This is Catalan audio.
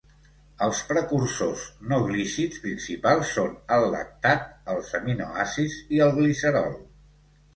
Els precursors no glícids principals són el lactat, els aminoàcids i el glicerol.